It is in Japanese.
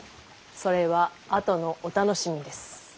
それはあとのお楽しみです。